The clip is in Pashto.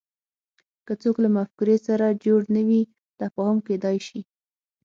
که څوک له مفکورې سره جوړ نه وي تفاهم کېدای شي